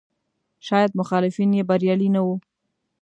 شاید مخالفین یې بریالي نه وو.